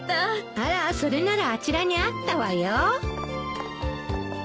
あらそれならあちらにあったわよ。